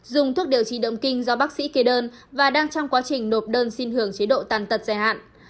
dùng thuốc điều trị động kinh do bác sĩ kê đơn và đang trong quá trình nộp đơn xin hưởng chế độ tàn tật dài hạn